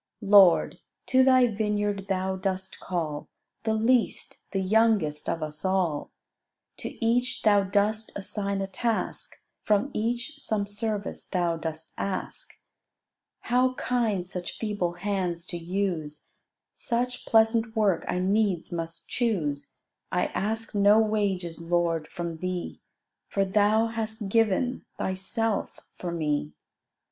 Lord, to Thy vineyard Thou dost call The least, the youngest of us all: To each Thou dost assign a task, From each some service Thou dost ask. How kind such feeble hands to use; Such pleasant work I needs must choose: I ask no wages, Lord, from thee, For Thou hast given Thyself for me.